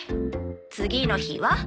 次の日は？